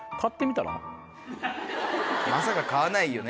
まさか買わないよね。